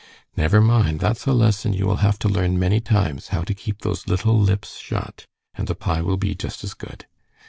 "Never mind. That's a lesson you will have to learn many times, how to keep those little lips shut. And the pie will be just as good."